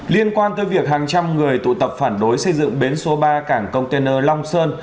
liên quan tới việc hàng trăm người tụ tập phản đối xây dựng bến số ba cảng container long sơn